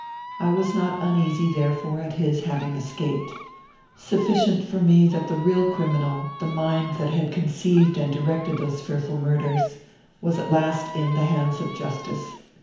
I was not uneasy, therefore, at his having escaped. Sufficient for me that the real criminal, the mind that had conceived and directed those fearful murders, was at last in the hands of justice.